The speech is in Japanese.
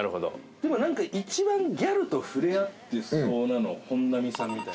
でも一番ギャルと触れ合ってそうなのは本並さんみたいな。